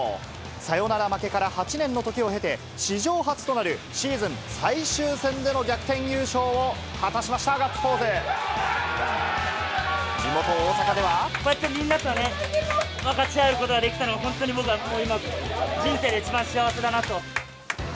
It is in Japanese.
サヨナラ負けから８年の時を経て、史上初となるシーズン最終戦での逆転優勝を果たしました、ガッツこうやってみんなとね、分かち合うことができたの、本当に僕は今、人生で一番幸せだなと。